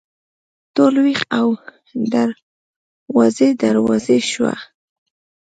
ټول ویښ او دروازې، دروازې شوه